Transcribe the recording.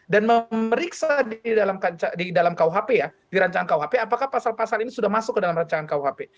dan memeriksa di dalam kuhp ya di rancangan kuhp apakah pasal pasal ini sudah masuk ke dalam rancangan kuhp